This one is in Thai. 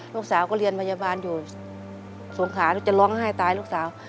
ลูกสาวก็เรียนพยาบาลอยู่สงขาลูกจะร้องไห้ตายลูกสาว